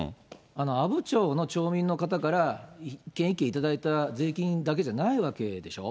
阿武町の町民の方から現金頂いた税金だけじゃないわけでしょ。